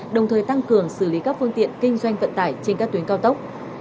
đồng thời tăng cường xử lý các phương tiện kinh doanh vận tải trên các tuyến cao tốc